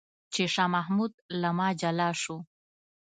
چې شاه محمود له ما جلا شو.